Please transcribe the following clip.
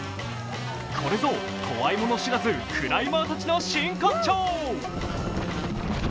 これぞ怖いものしらず、クライマーたちの真骨頂。